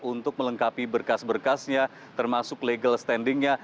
untuk melengkapi berkas berkasnya termasuk legal standingnya